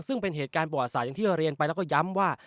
ซึ่งเป็นเหตุการณ์ประวัติศาสตร์อย่างที่เราเรียนไปแล้วก็ย้ำว่า